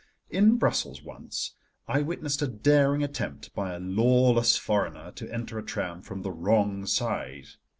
In Brussels once I witnessed a daring attempt by a lawless foreigner to enter a tram from the wrong side.